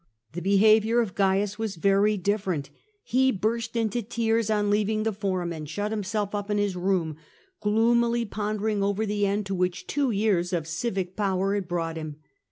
The behaviour of Cains was very different ; he burst into tears on leaving the Eorum and shut himself up in his room, gloomily pondering over the end to which two years of civic power had brought him.